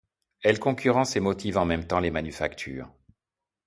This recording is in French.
Elle concurrence et motive en même temps les manufactures.